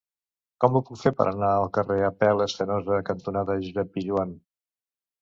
Com ho puc fer per anar al carrer Apel·les Fenosa cantonada Josep Pijoan?